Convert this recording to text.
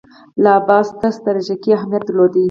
اله اباد ستر ستراتیژیک اهمیت درلود.